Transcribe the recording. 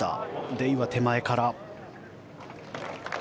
デイは手前から。